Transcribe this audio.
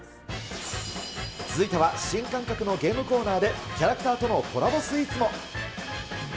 続いては新感覚のゲームコーナーで、キャラクターとのコラボスイーツも。